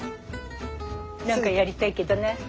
何かやりたいけどな。